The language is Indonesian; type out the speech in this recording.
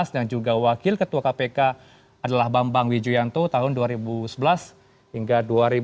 dan juga wakil ketua kpk adalah bambang wijuyanto tahun dua ribu sebelas hingga dua ribu lima belas